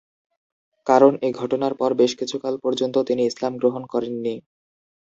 কারণ এ ঘটনার পর বেশ কিছুকাল পর্যন্ত তিনি ইসলাম গ্রহণ করেননি।